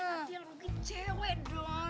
eh nanti lo beliin cewek doang